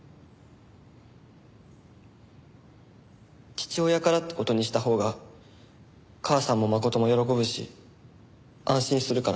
父親からって事にしたほうが母さんも真も喜ぶし安心するから。